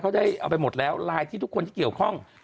เขาได้เอาไปหมดแล้วไลน์ที่ทุกคนที่เกี่ยวข้อง